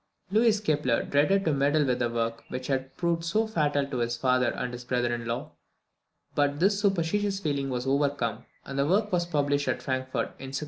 Louis Kepler dreaded to meddle with a work which had proved so fatal to his father and his brother in law, but this superstitious feeling was overcome, and the work was published at Frankfort in 1636.